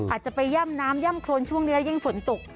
อาจจะไปย่ำน้ำย่ำโครนช่วงนี้แล้วยิ่งฝนตก